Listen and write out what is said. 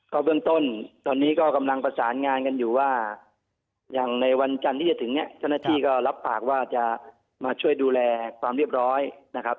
ก็เบื้องต้นตอนนี้ก็กำลังประสานงานกันอยู่ว่าอย่างในวันจันทร์ที่จะถึงเนี่ยเจ้าหน้าที่ก็รับปากว่าจะมาช่วยดูแลความเรียบร้อยนะครับ